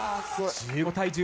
１０対１０。